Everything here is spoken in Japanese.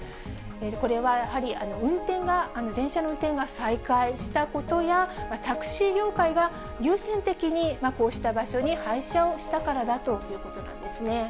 これはやはり、電車の運転が再開したことや、タクシー業界が優先的にこうした場所に配車をしたからだということなんですね。